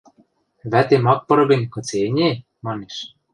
– Вӓтем ак пыры гӹнь, кыце ӹне? – манеш.